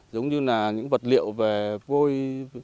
giống như là những vật liệu về vôi